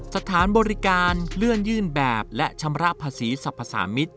สถานบริการเลื่อนยื่นแบบและชำระภาษีสรรพสามิตร